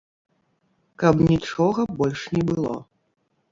Каб нічога больш не было.